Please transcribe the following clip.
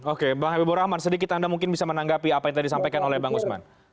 oke bang habibur rahman sedikit anda mungkin bisa menanggapi apa yang tadi disampaikan oleh bang usman